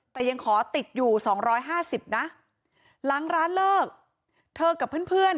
แต่ยังขอติดอยู่๒๕๐นะหลังร้านเลิกเธอกับเพื่อน